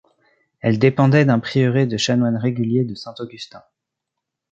Elle dépendait d'un prieuré de chanoines réguliers de saint Augustin.